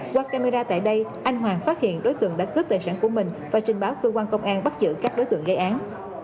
qua camera tại đây anh hoàng phát hiện đối tượng đã cướp tài sản của mình và trình báo cơ quan công an bắt giữ các đối tượng gây án